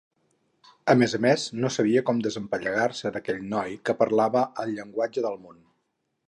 A més a més, no sabia com desempallegar-se d'aquell noi que parlava el Llenguatge del Món.